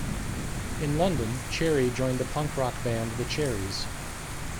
In London, Cherry joined the punk rock band The Cherries.